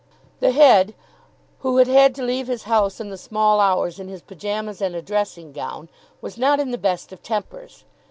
The Head, who had had to leave his house in the small hours in his pyjamas and a dressing gown, was not in the best of tempers.